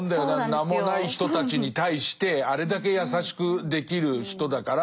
名もない人たちに対してあれだけ優しくできる人だから。